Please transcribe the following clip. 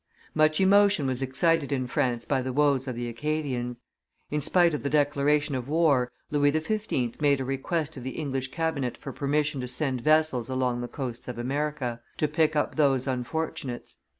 Much emotion was excited in France by the woes of the Acadians. In spite of the declaration of war, Louis XV. made a request to the English cabinet for permission to send vessels along the coasts of America, to pick up those unfortunates.